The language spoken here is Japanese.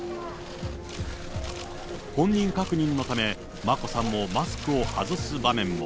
本人確認のため、眞子さんもマスクを外す場面も。